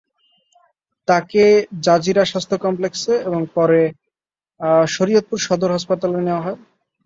তাকে জাজিরা স্বাস্থ্য কমপ্লেক্সে এবং পরে শরীয়তপুর সদর হাসপাতালে নেওয়া হয়।